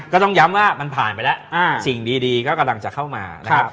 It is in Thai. ก็ต้องย้ำว่ามันผ่านไปแล้วสิ่งดีก็กำลังจะเข้ามานะครับ